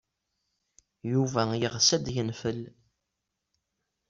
Yuba yeɣs ad yenfel.